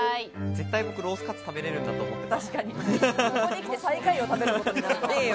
絶対僕ロースかつ食べられるんだと思ってた。